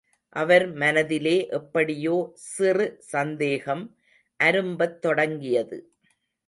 அவர் மனதிலே எப்படியோ சிறு சந்தேகம் அரும்பத் தொடங்கியது.